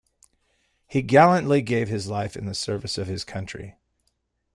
He gallantly gave his life in the service of his country.